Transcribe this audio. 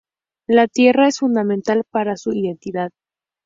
La tierra es fundamental para su identidad.